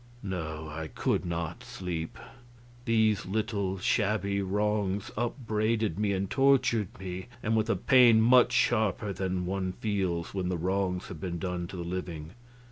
No, I could not sleep. These little, shabby wrongs upbraided me and tortured me, and with a pain much sharper than one feels when the wrongs have been done to the living.